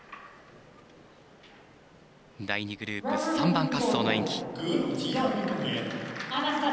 第２グループ、３番滑走の演技。